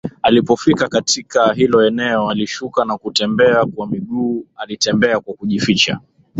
Alipofika katika hilo eneo alishuka na kutembea kwa miguu alitembea kwa kujificha